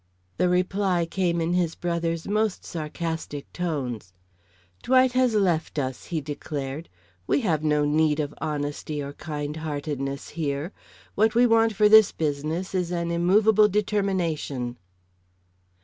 The reply came in his brother's most sarcastic tones. "Dwight has left us," he declared. "We have no need of honesty or kind heartedness here. What we want for this business is an immovable determination."